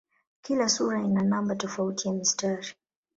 Kila sura ina namba tofauti ya mistari.